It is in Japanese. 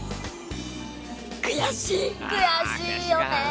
悔しい！悔しいよね。